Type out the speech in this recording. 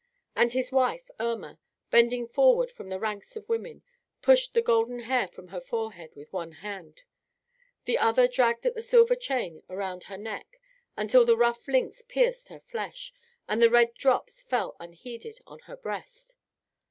And his wife, Irma, bending forward from the ranks of women, pushed the golden hair from her forehead with one hand. The other dragged at the silver chain about her neck until the rough links pierced her flesh, and the red drops fell unheeded on her breast.